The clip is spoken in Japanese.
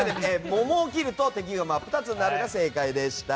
桃を切ると、敵が真っ二つになるが正解でした。